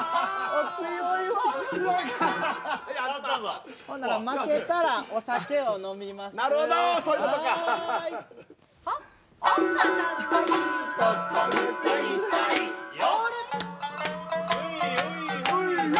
お強いわ強いかやったぞほんなら負けたらお酒を飲みますなるほどーそういうことか岡ちゃんのいいとこ見てみたいよ